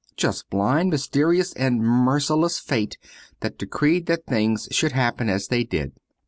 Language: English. Just blind, mysterious, and merciless fate that decreed that things should happen as they did.